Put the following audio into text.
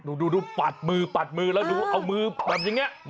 ดูปัดมือปัดมือแล้วดูเอามือแบบอย่างนี้